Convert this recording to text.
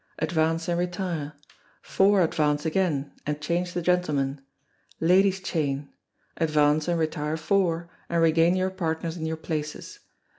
Advance and retire; four advance again, and change the gentlemen. Ladies' chain. Advance and retire four, and regain your partners in your places.